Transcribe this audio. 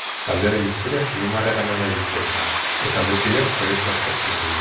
Taldearen historia zinemara eraman nahi dute eta taldekideak proiektua aztertzen ari dira.